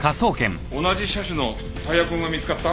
同じ車種のタイヤ痕が見つかった？